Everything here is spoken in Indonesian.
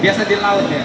biasa di laut ya